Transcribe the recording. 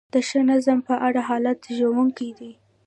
د ښه نظم په اړه حالت ژړونکی دی.